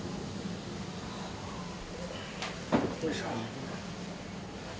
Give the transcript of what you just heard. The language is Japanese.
よいしょ。